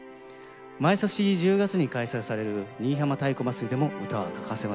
毎年１０月に開催される新居浜太鼓祭りでも唄は欠かせません。